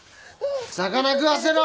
魚食わせろ！